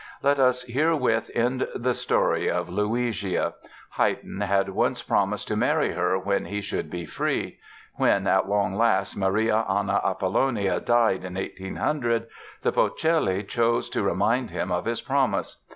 Let us herewith end the story of Luigia. Haydn had once promised to marry her when he should be free. When, at long last Maria Anna Apollonia died in 1800, the Polzelli chose to remind him of his promise.